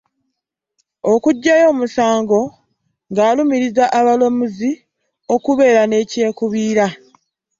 Okuggyayo omusango ng'alumiriza abalamuzi okubeera ne kyekubiira.